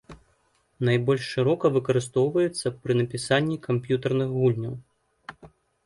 Найбольш шырока выкарыстоўваецца пры напісанні камп'ютарных гульняў.